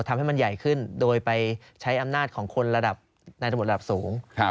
ทำให้มันใหญ่ขึ้นโดยไปใช้อำนาจของคนระดับสูง